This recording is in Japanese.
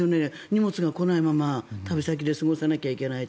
荷物が来ないまま旅先で過ごさなきゃいけない。